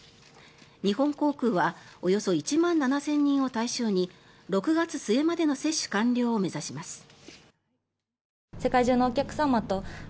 日本航空はおよそ１万７０００人を対象に６月末までの接種完了を目指します。